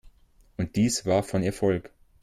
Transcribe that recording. Und dies war von Erfolg.